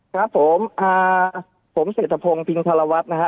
ครับผมผมเศรษฐพงศ์พิงธรวัฒน์นะฮะ